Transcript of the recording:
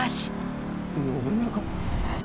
信長。